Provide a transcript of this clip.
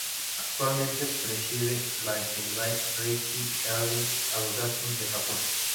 Actualmente preside la "Gendai Reiki Healing Association" de Japón.